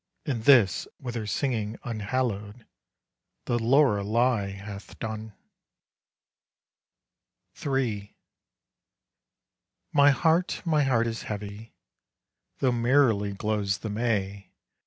And this, with her singing unhallowed, The Lorelei hath done. III. My heart, my heart is heavy, Though merrily glows the May.